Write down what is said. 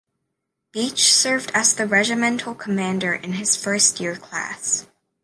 Beach served as a regimental commander in his first class year.